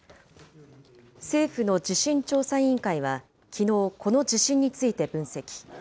政府の地震調査委員会は、きのう、この地震について分析。